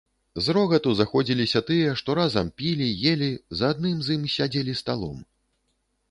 З рогату заходзіліся тыя, што разам пілі, елі, за адным з ім сядзелі сталом.